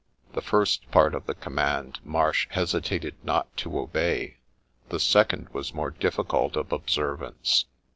The first part of the command Marsh hesitated not to obey ; the second was more difficult of observance.